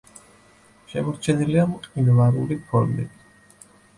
შემორჩენილია მყინვარული ფორმები.